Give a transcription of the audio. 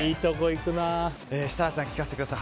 設楽さん、聞かせてください。